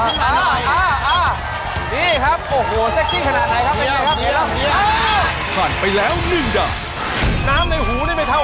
หยั่งดันไหมขึ้นมาหน่อยอร่อยโอ้นี่ครับโอ้โหวเซ็กซี่ขนาดไหนครับ